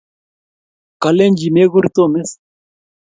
Kalechin mekur Tom is?